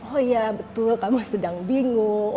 oh iya betul kamu sedang bingung